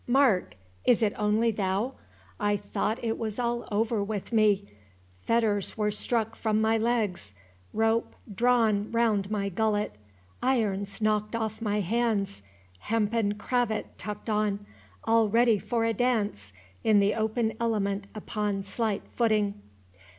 Mark, is it only thou? I thought it was all over with me—fetters were struck from my legs—rope drawn round my gullet—irons knocked off my hands—hempen cravat tucked on,—all ready for a dance in the open element upon slight footing."